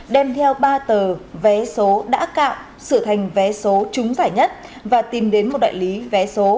đem theo ba tờ vé số đã cạo sửa thành vé số trúng giải nhất và tìm đến một đại lý vé số